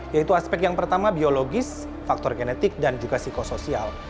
yaitu aspek yang pertama biologis faktor genetik dan juga psikosoial